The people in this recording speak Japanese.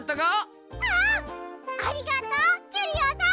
ありがとうキュリオさん！